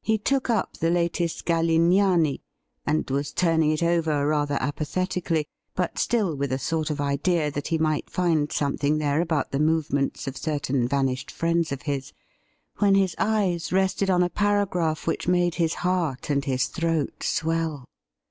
He took up the latest Galignani, and was turning it over rather apathetically, but still with a sort of idea that he might find something there about the movements of certain vanished friends of his, when his eyes rested on a paragraph which made his heart and his throat swell.